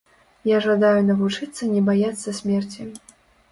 Я жадаю навучыцца не баяцца смерці.